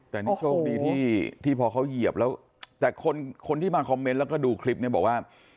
แต่นี่โชคดีที่พอเขาเหยียบแล้วแต่คนที่มาคอมเมนต์แล้วก็ดูคลิปเนี่ยบอกว่า